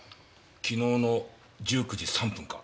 昨日の１９時３分か。